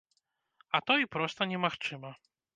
А то і проста немагчыма.